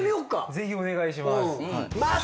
ぜひお願いします。